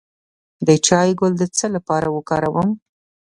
د چای ګل د څه لپاره وکاروم؟